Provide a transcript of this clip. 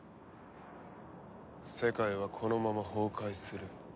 世界はこのまま崩壊する。